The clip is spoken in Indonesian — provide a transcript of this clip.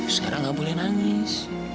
sekarang gak boleh nangis